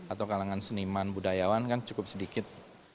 atau kalangan seniman budayawan kan cukup sedikit